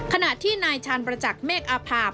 ขณะที่นายชาญประจักษ์เมฆอาภาพ